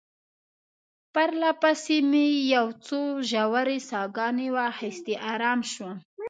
پرله پسې مې یو څو ژورې ساه ګانې واخیستې، آرام شوم.